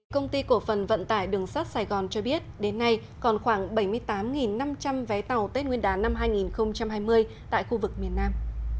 công ty cổ phần vận tải đường sắt sài gòn cho biết đến nay còn khoảng bảy mươi tám năm trăm linh vé tàu tết nguyên đán năm hai nghìn hai mươi tại khu vực miền nam